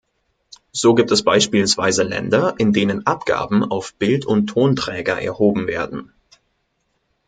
So gibt es beispielsweise Länder, in denen Abgaben auf Bild- und Tonträger erhoben werden.